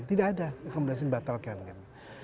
tidak ada rekomendasi dibatalkan kan